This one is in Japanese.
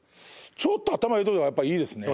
ちょっと頭に入れといた方がやっぱいいですね。